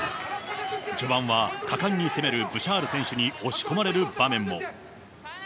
序盤は果敢に攻めるブシャール選手に押し込まれる場面も。